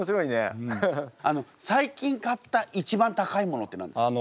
最近買ったいちばん高いものって何ですか？